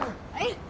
はい。